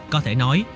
có thể nói